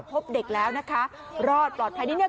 พบเด็กแล้วนะคะรอดปลอดภัย